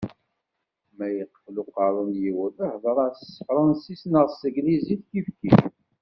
Ma yeqfel uqerru n yiwen, hder-as s tefransist neɣ s teglizit, kifkif.